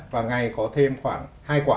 và ngày có thêm khoảng hai quả